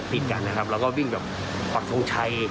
ติดกันนะครับเราก็วิ่งปากษงชัย